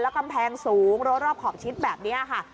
แล้วกำแพงสูงรวบรอบขอบชิดแบบเนี้ยค่ะ